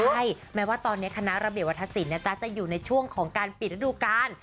ใช่แม้ว่าตอนนี้คณะระเบียบวัฒนศิลปนะจ๊ะจะอยู่ในช่วงของการปิดฤดูกาล